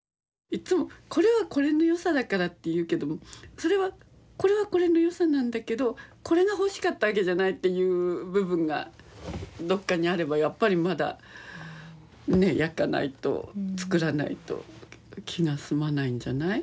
いっつもこれはこれの良さだからって言うけどもそれはこれはこれの良さなんだけどこれが欲しかったわけじゃないっていう部分がどっかにあればやっぱりまだねえ焼かないと作らないと気が済まないんじゃない？